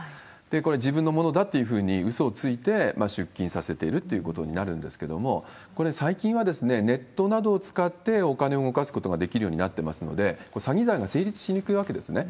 これ、自分のものだというふうにうそをついて、出金させているということになるんですけれども、これ、最近はネットなどを使ってお金を動かすことができるようになっていますので、詐欺罪が成立しにくいわけですね。